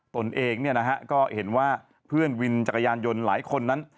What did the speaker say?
ตนเองก็เห็นว่าเพื่อนวินจักรยานยนต์หลายคนนั้น